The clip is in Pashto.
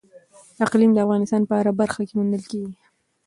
اقلیم د افغانستان په هره برخه کې موندل کېږي.